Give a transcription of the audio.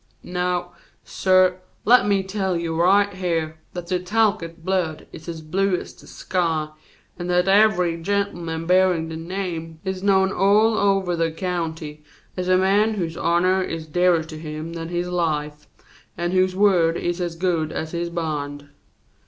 Now, suh, let me tell you right here that the Talcott blood is as blue as the sky, and that every gentleman bearin' the name is known all over the county as a man whose honor is dearer to him than his life, and whose word is as good as his bond.